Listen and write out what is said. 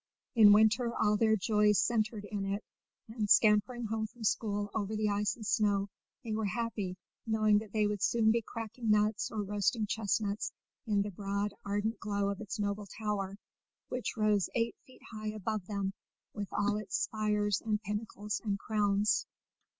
In winter all their joys centred in it, and scampering home from school over the ice and snow they were happy, knowing that they would soon be cracking nuts or roasting chestnuts in the broad ardent glow of its noble tower, which rose eight feet high above them with all its spires and pinnacles and crowns.